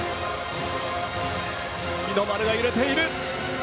日の丸が揺れている。